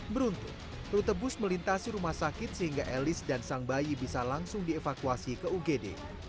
beruntung rute bus melintasi rumah sakit sehingga elis dan sang bayi bisa langsung dievakuasi ke ugd